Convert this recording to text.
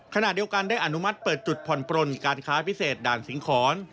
ขณะเดียวกันได้อนุมัติเปิดจุดผ่อนปลนการค้าพิเศษด่านสิงหอน